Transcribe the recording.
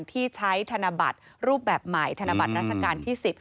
ที่ใช้ธนบัตรรูปแบบใหม่ธนบัตรราชการที่๑๐